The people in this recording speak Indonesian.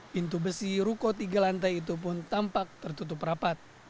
pintu besi ruko tiga lantai itu pun tampak tertutup rapat